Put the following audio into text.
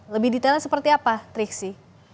lebih detailnya seperti apa triksi